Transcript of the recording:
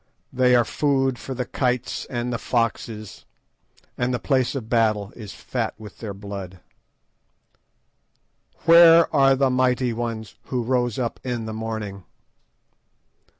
"They are food for the kites and the foxes, and the place of battle is fat with their blood. "Where are the mighty ones who rose up in the morning?